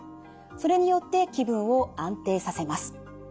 それによって気分を安定させます。